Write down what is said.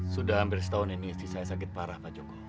sudah hampir setahun ini istisahat sakit parah pak joko